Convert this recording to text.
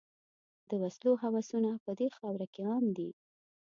د وسلو هوسونه په دې خاوره کې عام دي.